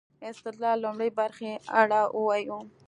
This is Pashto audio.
استدلال لومړۍ برخې اړه ووايو.